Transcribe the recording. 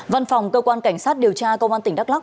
văn phòng cơ quan cảnh sát điều tra công an tỉnh đắk lắc